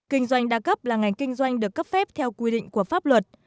kinh doanh đa cấp là ngành kinh doanh được cấp phép theo quy định của pháp luật